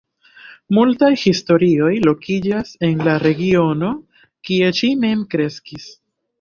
Multaj historioj lokiĝas en la regiono, kie ŝi mem kreskis.